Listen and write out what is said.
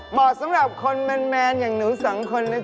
เหมาะสำหรับคนแมนอย่างหนูสองคน